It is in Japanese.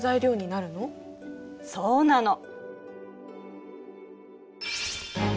そうなの。